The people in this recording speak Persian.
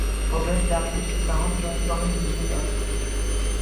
روبرت در بورس سهام جایگاه ویژه دارد.